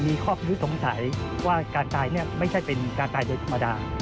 มีข้อพิรุษสงสัยว่าการตายเนี่ยไม่ใช่เป็นการตายโดยธรรมดา